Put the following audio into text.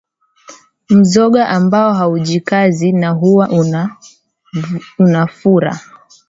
Mzoga ambao haujikazi na huwa umefura